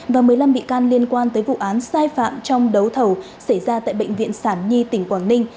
và một mươi năm bị can liên quan tới vụ án sai phạm trong đấu thầu xảy ra tại bệnh viện sản nhi tỉnh quảng ninh